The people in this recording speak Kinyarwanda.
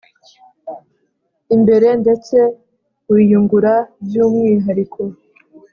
Imbere ndetse wiyungura by umwihariko